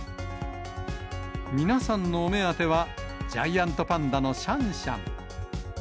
皆さんのお目当ては、ジャイアントパンダのシャンシャン。